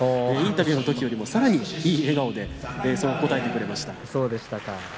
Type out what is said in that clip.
インタビューのときもさらにいい笑顔で答えてくれました。